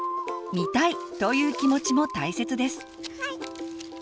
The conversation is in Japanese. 「見たい！」という気持ちも大切です。